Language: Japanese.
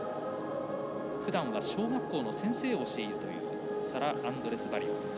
ふだんは小学校の先生をしているというサラ・アンドレスバリオ。